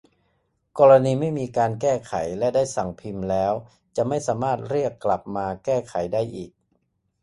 กรณีไม่มีการแก้ไขและได้สั่งพิมพ์แล้วจะไม่สามารถเรียกกลับมาแก้ไขได้อีก